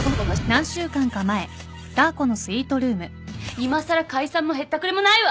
いまさら解散もへったくれもないわ！